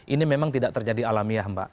ini memang tidak terjadi alamiah mbak